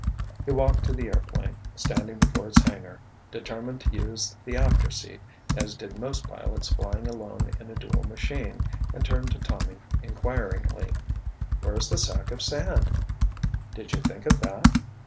He walked to the airplane, standing before its hangar, determined to use the after seat, as did most pilots flying alone in a dual machine, and turned to Tommy inquiringly. "Where's the sack of sand?" "Did you think of that?"